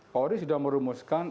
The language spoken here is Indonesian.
pak horis sudah merumuskan